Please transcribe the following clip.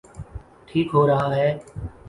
ٹھیک ہو رہا ہے۔